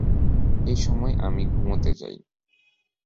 এই সময় আমি ঘুমুতে যাই।